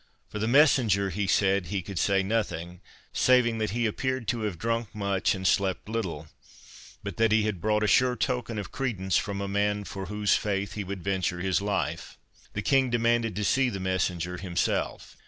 For the messenger, he said, he could say nothing, saving that he appeared to have drunk much, and slept little; but that he had brought a sure token of credence from a man for whose faith he would venture his life. The King demanded to see the messenger himself.